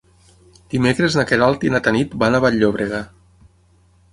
Dimecres na Queralt i na Tanit van a Vall-llobrega.